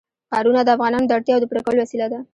ښارونه د افغانانو د اړتیاوو د پوره کولو وسیله ده.